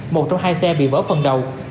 một trong hai xe bị vỡ phần đầu